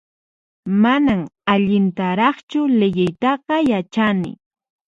Manan allintaraqchu liyiytaqa yachani